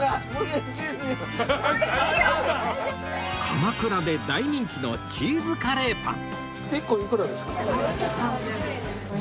鎌倉で大人気のチーズカレーパン！